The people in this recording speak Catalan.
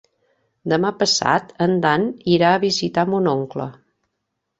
Demà passat en Dan irà a visitar mon oncle.